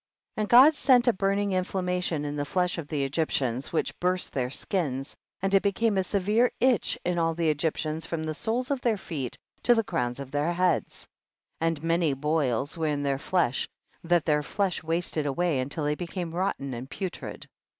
27. And God sent a burning in flammation in the flesh of the Egyp tians, which burst their skins, and it became a severe itch in all the Egyptians from the soles of their feet to the crowns of their heads. 28. And many boils were in their flesh, that their flesh wasted away until they became rotten and putrid.